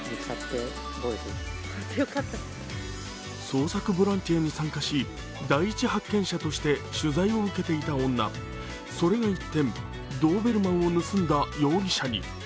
捜索ボランティアに参加し第一発見者として取材を受けていた女、それが一転、ドーベルマンを盗んだ容疑者に。